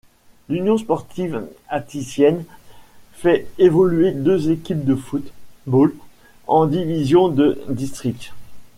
L’Union sportive athisienne fait évoluer deux équipes de football en divisions de district.